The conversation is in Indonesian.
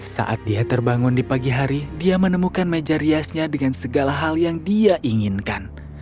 saat dia terbangun di pagi hari dia menemukan meja riasnya dengan segala hal yang dia inginkan